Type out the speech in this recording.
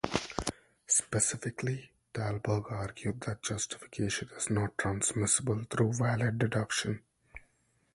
Specifically, Thalberg argued that justification is not transmissible through valid deduction.